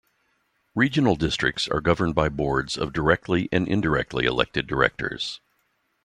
Regional districts are governed by boards of directly and indirectly elected directors.